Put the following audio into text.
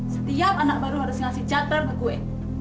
setiap anak baru harus ngasih chatter ke gue